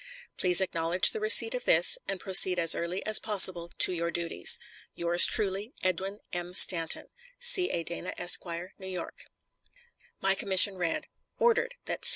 Please acknowledge the receipt of this, and proceed as early as possible to your duties. Yours truly, EDWIN M. STANTON. C. A. DANA, Esq., New York. My commission read: ORDERED, That C.